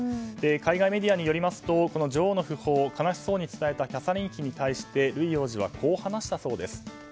海外メディアによりますとこの女王の訃報を悲しそうに伝えたキャサリン妃に対してルイ王子はこう話したそうです。